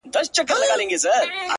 په خيال كي ستا سره ياري كومه!